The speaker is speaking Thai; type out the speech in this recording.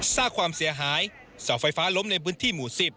สร้างความเสียหายเสาไฟฟ้าล้มในพื้นที่หมู่๑๐